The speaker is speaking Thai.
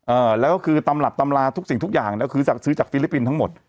เอ่อแล้วก็คือตำรับตำราทุกสิ่งทุกอย่างแล้วซื้อจากซื้อจากฟิลิปปินส์ทั้งหมด